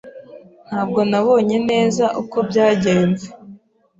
Ntabwo nabonye neza uko byagenze.